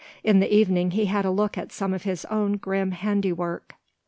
In the evening he had a look at some of his own grim handiwork.